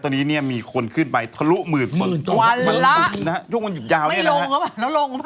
ตอนนี้มีคนขึ้นไปทะลุ๑๐๐๐๐ตก